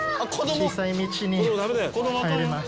小さい道に入ります。